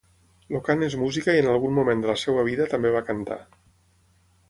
El cant és música i en algun moment de la seva vida també va cantar.